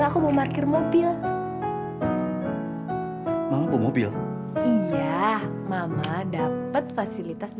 aku juga mau nanti kita